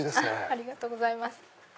ありがとうございます。